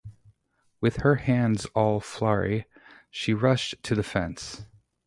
With her hands all floury, she rushed to the fence.